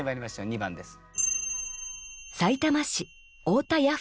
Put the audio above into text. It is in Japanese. ２番です。